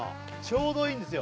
「ちょうどいい」？